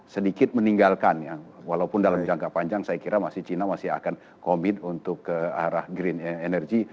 sedikit meninggalkan ya walaupun dalam jangka panjang saya kira china masih akan komit untuk ke arah green energy